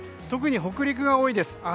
特に北陸が多いです。